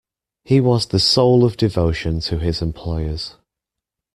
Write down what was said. He was the soul of devotion to his employers.